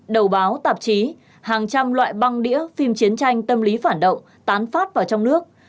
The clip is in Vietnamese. đầu báo tạp chí hàng trăm loại băng đĩa phim chiến tranh tâm lý phản động tán phát vào trong nước